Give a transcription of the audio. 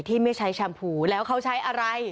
ที่ไม่ใช้แชมพูแล้วเขาใช้อะไร